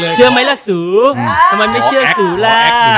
เชื่อไหมล่ะสูทำไมไม่เชื่อสูล่ะ